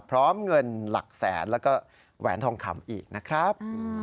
พร้อมเงินหลักแสนแล้วก็แหวนทองคำอีกนะครับ